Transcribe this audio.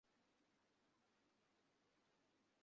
কোন বিশ্বব্যাপী ছেলেমানুষ।